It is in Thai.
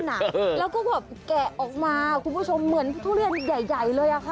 แล้วก็แบบแกะออกมาคุณผู้ชมเหมือนทุเรียนใหญ่ใหญ่เลยอะค่ะ